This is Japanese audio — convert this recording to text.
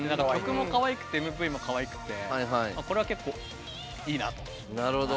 曲もかわいくてＭＶもかわいくてこれは結構いいなと。